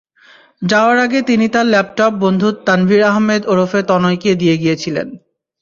যাওয়ার আগে তিনি তাঁর ল্যাপটপ বন্ধু তানভির আহম্মেদ ওরফে তনয়কে দিয়ে গিয়েছিলেন।